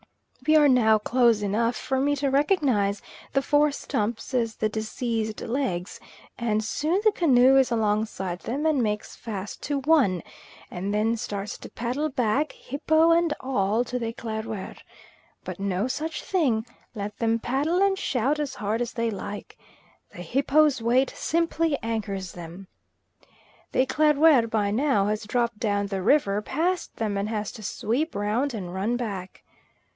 We are now close enough even for me to recognise the four stumps as the deceased's legs, and soon the canoe is alongside them and makes fast to one, and then starts to paddle back, hippo and all, to the Eclaireur. But no such thing; let them paddle and shout as hard as they like, the hippo's weight simply anchors them. The Eclaireur by now has dropped down the river past them, and has to sweep round and run back.